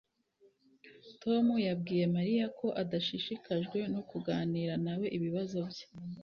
Tom yabwiye Mariya ko adashishikajwe no kuganira nawe ibibazo bye.